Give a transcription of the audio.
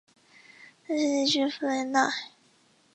雷茨地区弗雷奈。